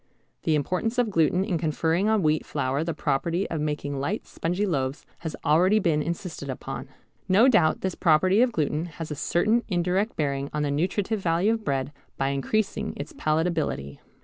The importance of gluten in conferring on wheat flour the property of making light spongy loaves has already been insisted upon. No doubt this property of gluten has a certain indirect bearing on the nutritive value of bread by increasing its palatability.